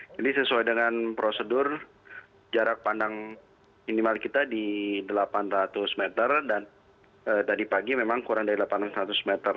jadi sesuai dengan prosedur jarak pandang minimal kita di delapan ratus meter dan tadi pagi memang kurang dari delapan ratus meter